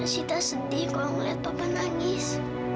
kita sedih kalau melihat papa nangis